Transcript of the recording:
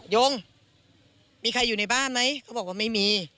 ยงมีใครอยู่ในบ้านไหมเขาบอกว่าไม่มี